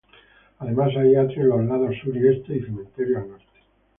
Además hay atrio en los lados sur y este y cementerio al norte.